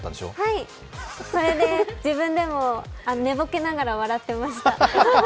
はい、それで自分でも寝ぼけながら笑ってました。